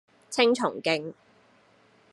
青松徑